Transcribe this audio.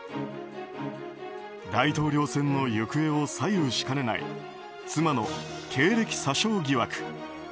大統領選の行方を左右しかねない妻の経歴詐称疑惑。